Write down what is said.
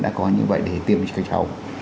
đã có như vậy để tiêm cho các cháu